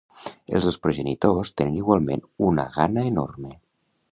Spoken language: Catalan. Els dos progenitors tenen igualment una gana enorme.